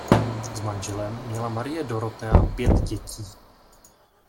S manželem měla Marie Dorotea pět dětí.